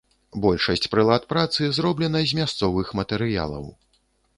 Большасць прылад працы зроблена з мясцовых матэрыялаў.